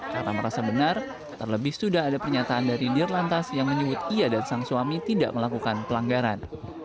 karena merasa benar terlebih sudah ada pernyataan dari dir lantas yang menyebut ia dan sang suami tidak melakukan pelanggaran